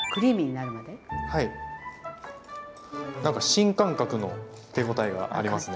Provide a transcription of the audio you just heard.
なんか新感覚の手応えがありますね。